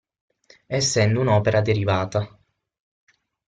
Essendo un'opera derivata.